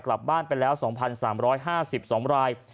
กลับบ้านไปแล้ว๒๓๕๒ราย